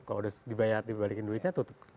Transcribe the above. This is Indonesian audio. kalau udah dibalikin duitnya tutup